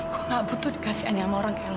kok nggak butuh dikasihannya sama orang kayak lu